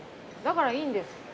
だからいいんです。